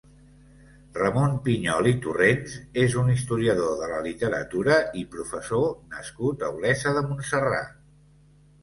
Ramon Pinyol i Torrents és un historiador de la literatura i professor nascut a Olesa de Montserrat.